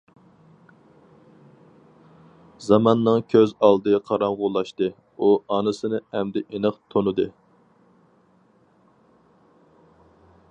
زاماننىڭ كۆز ئالدى قاراڭغۇلاشتى، ئۇ ئانىسىنى ئەمدى ئېنىق تونۇدى!